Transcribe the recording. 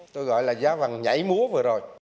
tôi gọi là giá vàng nhảy múa vừa rồi